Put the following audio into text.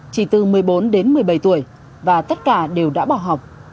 chỉ từ một mươi bốn đến một mươi bảy tuổi và tất cả đều đã bỏ học